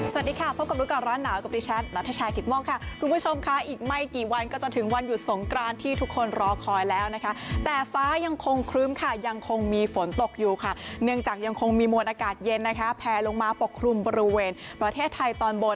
สวัสดีค่ะพบกับรู้ก่อนร้อนหนาวกับดิฉันนัทชายกิตโมกค่ะคุณผู้ชมค่ะอีกไม่กี่วันก็จะถึงวันหยุดสงกรานที่ทุกคนรอคอยแล้วนะคะแต่ฟ้ายังคงครึ้มค่ะยังคงมีฝนตกอยู่ค่ะเนื่องจากยังคงมีมวลอากาศเย็นนะคะแพลลงมาปกครุมบริเวณประเทศไทยตอนบน